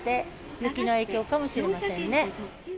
雪の影響かもしれませんね。